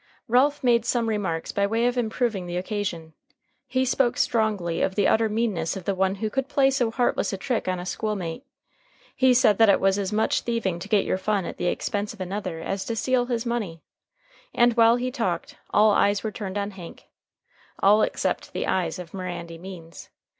Ralph made some remarks by way of improving the occasion. He spoke strongly of the utter meanness of the one who could play so heartless a trick on a schoolmate. He said that it was as much thieving to get your fun at the expense of another as to steal his money. And while he talked, all eyes were turned on Hank all except the eyes of Mirandy Means.